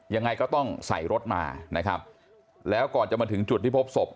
ยังไงก็ต้องใส่รถมานะครับแล้วก่อนจะมาถึงจุดที่พบศพ